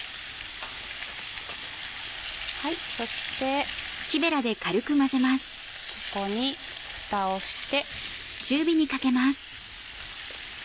そしてここにフタをして。